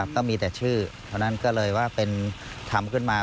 ก็มีแต่ชื่อเพราะฉะนั้นก็เลยว่าเป็นทำขึ้นมา